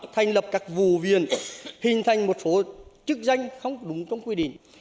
thành lập các vù viện hình thành một số chức danh không đúng trong quy định